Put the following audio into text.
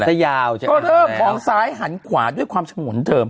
ก็เริ่มมองซ้ายหันขวาด้วยความฉุนเธอ